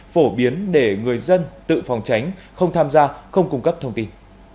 phổ biến để người dân tự phòng tránh không tham gia không cung cấp thông tin